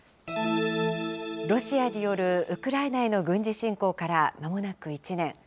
ロシアによるウクライナへの軍事侵攻からまもなく１年。